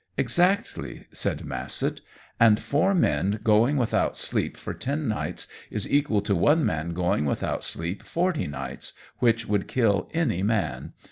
"Exactly!" said Massett. "And four men going without sleep for ten nights is equal to one man going without sleep forty nights, which would kill any man.